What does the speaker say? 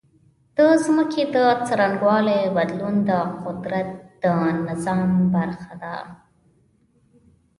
د ځمکې د څرنګوالي بدلون د قدرت د نظام برخه ده.